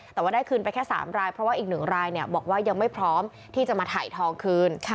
แต่ว่าได้คืนไปแค่๓รายเพราะว่าอีก๑รายบอกว่ายังไม่พร้อมที่จะมาถ่ายทองคืน